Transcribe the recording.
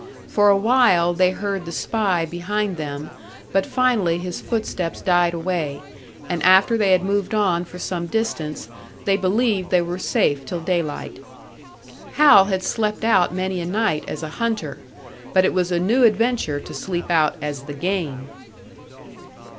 For a while they heard the spy behind them, but finally his footsteps died away, and after they had moved on for some distance, they believed they were safe till daylight. Hal had slept out many a night as a hunter, but it was a new adventure to sleep out as the game!